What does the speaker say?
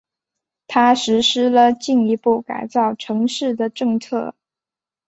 他实施了进一步改造城市的政策。